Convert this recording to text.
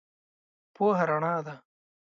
پوهه رنا ده.